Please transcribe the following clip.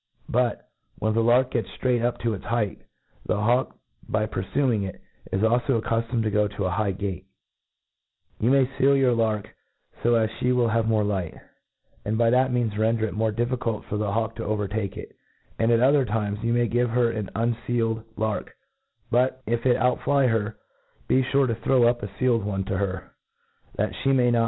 But, when the lark gets ftraight up to its height, the hawk, by purfuing it, is alfo accuftomed to go to a high gate, ' You may fiel your lark fo as Ihe will have more light, and by that means render it the more difficult for the hawk to overtake it, And[ at other times you may give * her an urifieled lark ; but, tf it outflyher, be fure to throw up a fielcd one to h^r, that ftc mey not.